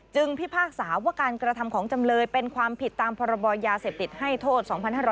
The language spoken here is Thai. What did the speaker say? พิพากษาว่าการกระทำของจำเลยเป็นความผิดตามพรบยาเสพติดให้โทษ๒๕๖๐